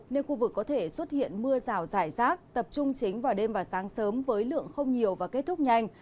nên khu vực có thể xuất hiện mưa rào rải rác tập trung chính vào đêm và sáng sớm với lượng không nhiều và kết thúc nhanh